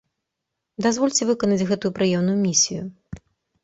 Дазвольце выканаць гэтую прыемную місію.